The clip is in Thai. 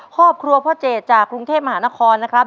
ครอบครัวพ่อเจดจากกรุงเทพมหานครนะครับ